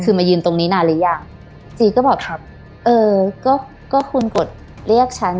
คือมายืนตรงนี้นานหรือยังจีก็บอกครับเออก็ก็คุณกดเรียกฉัน